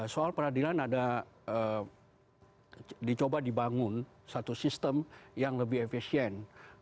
soal peradilan ada dicoba dibangun satu sistem yang lebih efisien